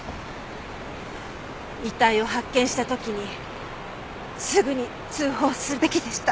遺体を発見した時にすぐに通報すべきでした。